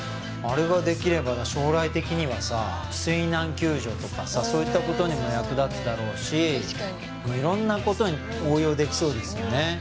あれができれば将来的にはさ水難救助とかさそういったことにも役立つだろうし色んなことに応用できそうですよね